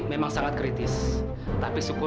jangan bed partially ke